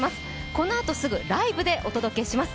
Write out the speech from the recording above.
このあと、すぐライブでお届けします。